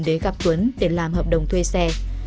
để gặp tuấn để làm hợp đồng thuê xe